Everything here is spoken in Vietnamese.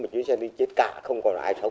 một chuyến xe nước